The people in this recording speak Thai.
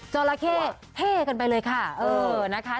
จราเข้เท่กันไปเลยค่ะเออนะคะ